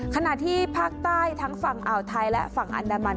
ขณะที่ภาคใต้ทั้งฝั่งอ่าวไทยและฝั่งอันดามัน